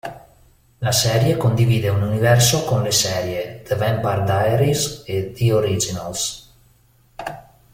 La serie condivide un universo con le serie "The Vampire Diaries" e "The Originals".